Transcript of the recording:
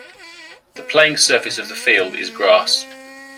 The playing surface of the field is grass.